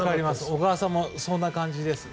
小川さんもそんな感じです。